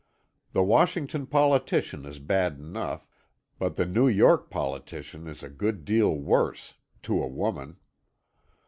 The Washington politician is bad enough, but the New York politician is a good deal worse to a woman.